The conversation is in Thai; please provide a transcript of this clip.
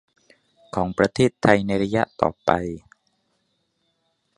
ของประเทศไทยในระยะต่อไป